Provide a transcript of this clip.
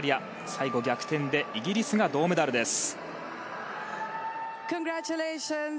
最後、逆転でイギリスが銅メダルです。